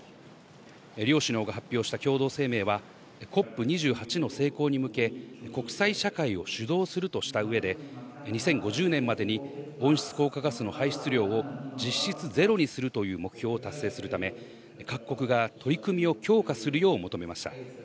両首脳が発表した共同声明は、ＣＯＰ２８の成功に向け、国際社会を主導するとした上で、２０５０年までに温室効果ガスの排出量を実質ゼロにするという目標を達成するため、各国が取り組みを強化するよう求めました。